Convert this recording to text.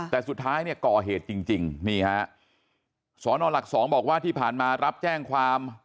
แต่สุดท้ายเนี่ยก่อเหตุจริงนี่ฮะสอนอหลักสองบอกว่าที่ผ่านมารับแจ้งความ